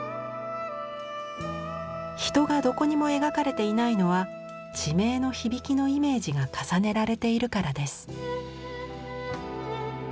人がどこにも描かれていないのは地名の響きのイメージが重ねられているからです。